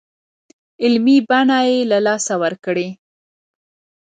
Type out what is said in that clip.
علمي بڼه له لاسه ورکړې.